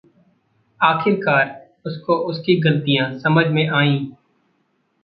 आखिरकार उसको उसकी ग़लतियाँ समझ में आईं।